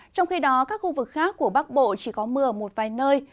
trong khi đó các khu vực khác của bắc bộ chỉ có mưa ở một vài nơi